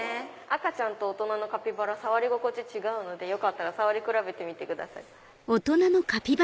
赤ちゃんと大人のカピバラ触り心地違うのでよかったら触り比べてみてください。